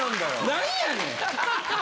何やねん！？